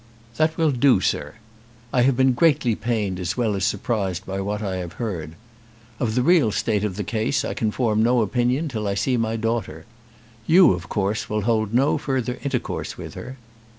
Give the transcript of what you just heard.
"That will do, sir. I have been greatly pained as well as surprised by what I have heard. Of the real state of the case I can form no opinion till I see my daughter. You, of course, will hold no further intercourse with her."